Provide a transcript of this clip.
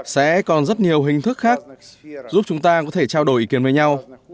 sẽ còn rất nhiều hình thức khác giúp chúng ta có thể trao đổi ý kiến với nhau